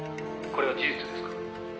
「これは事実ですか？」